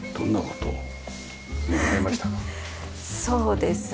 そうですね